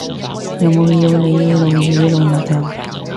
有冇要你露耳露額頭？